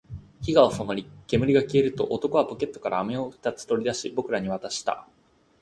火が収まり、煙が消えると、男はポケットから飴を二つ取り出し、僕らに渡した